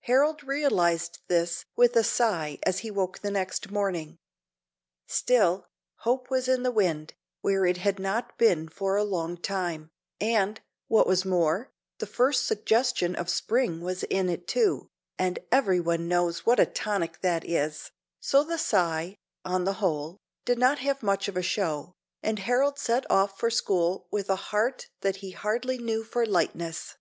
Harold realized this with a sigh as he woke the next morning. Still, hope was in the wind, where it had not been for a long time, and, what was more, the first suggestion of spring was in it too, and every one knows what a tonic that is; so the sigh, on the whole, did not have much of a show, and Harold set off for school with a heart that he hardly knew for lightness.